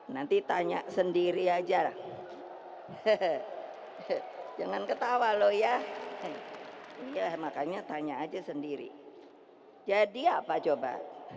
nanti tanya sendiri aja jangan ketawa loh ya makanya tanya aja sendiri jadi apa coba